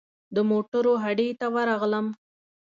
د موټرو هډې ته ورغلم.